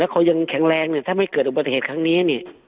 เขายังแข็งแรงเนี่ยถ้าไม่เกิดอุบัติเหตุครั้งนี้นี่